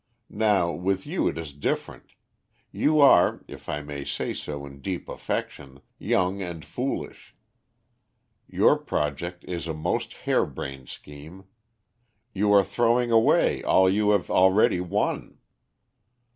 Now, with you it is different: you are, if I may say so in deep affection, young and foolish. Your project is a most hare brained scheme. You are throwing away all you have already won."